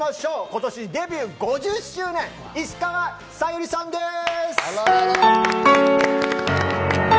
今年デビュー５０周年、石川さゆりさんです！